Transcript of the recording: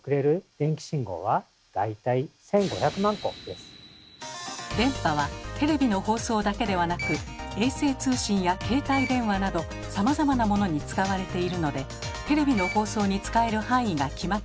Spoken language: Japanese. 電波はテレビの放送だけではなく衛星通信や携帯電話などさまざまなものに使われているのでテレビの放送に使える範囲が決まっています。